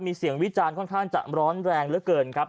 มีเสียงวิจารณ์ค่อนข้างจะร้อนแรงเหลือเกินครับ